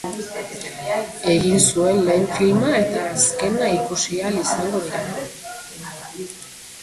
Egin zuen lehen filma eta azkena ikusi ahal izango dira.